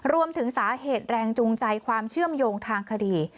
รวมถึงสาเหตุแรงจูงใจความเชื่อมโยงทางคดี